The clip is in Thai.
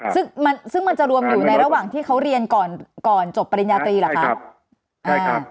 ซึ่งมันซึ่งมันจะรวมอยู่ในระหว่างที่เขาเรียนก่อนก่อนจบปริญญาตรีเหรอคะ